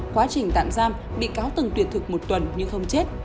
quá trình tạm giam bị cáo từng tuyển thực một tuần nhưng không chết